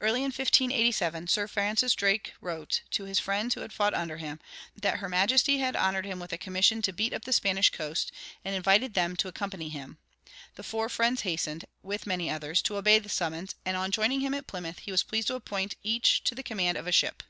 Early in 1587 Sir Francis Drake wrote, to his friends who had fought under him, that her majesty had honored him with a commission to beat up the Spanish coast, and invited them to accompany him. The four friends hastened, with many others, to obey the summons; and on joining him at Plymouth, he was pleased to appoint each to the command of a ship.